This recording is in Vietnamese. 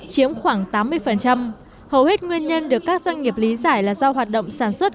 chiếm khoảng tám mươi hầu hết nguyên nhân được các doanh nghiệp lý giải là do hoạt động sản xuất